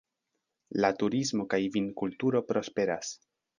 La turismo kaj vinkulturo prosperas.